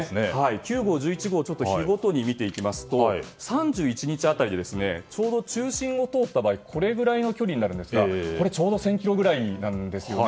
９号、１１号を日ごとに見ていくと３１日辺りちょうど中心を通った場合にこれぐらいの距離になりますがちょうど１０００ｋｍぐらいなんです。